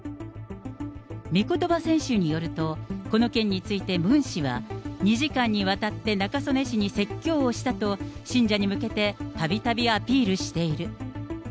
御言葉選集によると、この件についてムン氏は、２時間にわたって中曽根氏に説教をしたと、信者に向けてたびたびアピールしている。